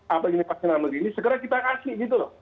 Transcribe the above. apa ini pakai nama begini segera kita kasih gitu loh